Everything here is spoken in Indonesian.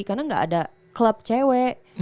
karena gak ada club cewek